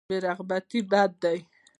بې رغبتي بد دی.